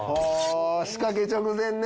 仕掛け直前ね。